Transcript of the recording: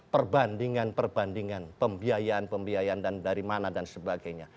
perbandingan perbandingan pembiayaan pembiayaan dan dari mana dan sebagainya